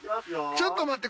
ちょっと待って！